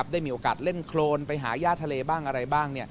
ได้มีโอกาสเล่นโครนไปหาย่าทะเลบ้างอะไรบ้าง